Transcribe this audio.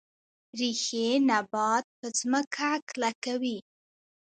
ریښې نبات په ځمکه کلکوي